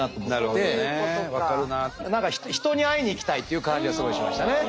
何か人に会いに行きたいっていう感じはすごいしましたね。